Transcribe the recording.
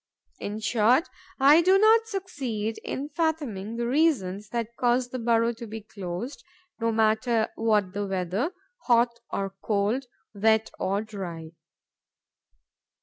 In short, I do not succeed in fathoming the reasons that cause the burrow to be closed, no matter what the weather, hot or cold, wet or dry.